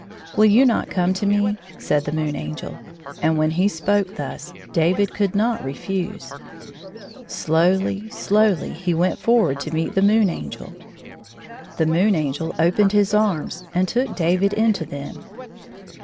" Will you not come to me 1 " said the Moon Angel, and when he spoke thus David could not refiise. Slowly, slowly he went forward to meet the 107 Moon Angel. The Moon Angel opened his anns and took David into them.